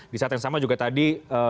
di saat yang sama juga tadi